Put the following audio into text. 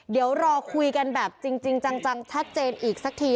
เดี๋ยวรอคุยกันแบบจริงจังชัดเจนอีกสักที